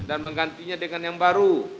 dan menggantinya dengan yang baru